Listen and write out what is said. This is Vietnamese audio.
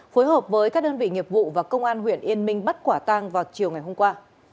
phối hợp với các đơn vị nghiệp vụ và công an huyện yên minh bắt quả tang vào chiều ngày hôm qua